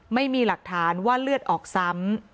ไม่มีหลักฐานว่าเลือดออกซ้ำ